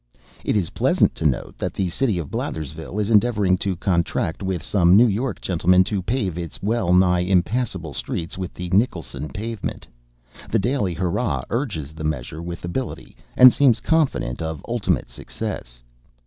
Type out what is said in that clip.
It is pleasant to note that the city of Blathersville is endeavoring to contract with some New York gentlemen to pave its well nigh impassable streets with the Nicholson pavement. The Daily Hurrah urges the measure with ability, and seems confident of ultimate success.